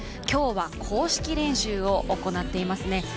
今日は公式練習を行っていますね。